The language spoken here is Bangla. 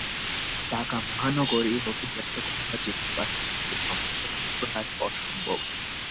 ঢাকা মহানগরে নতুন রাস্তা করা বা যেগুলো আছে সেগুলোর সম্প্রসারণ প্রায় অসম্ভব।